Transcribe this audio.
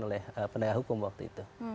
oleh penegak hukum waktu itu